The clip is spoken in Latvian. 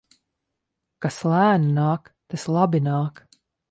Kas lēni nāk, tas labi nāk.